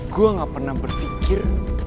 gue gak pernah berpikir